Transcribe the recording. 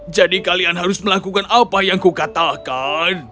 jadi kalian harus melakukan apa yang kukatakan